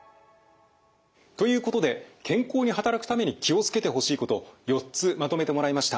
ということで健康に働くために気を付けてほしいこと４つまとめてもらいました。